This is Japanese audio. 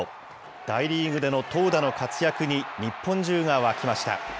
大リーグでの投打の活躍に、日本中が沸きました。